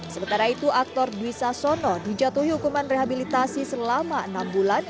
sementara itu aktor dwi sasono dijatuhi hukuman rehabilitasi selama enam bulan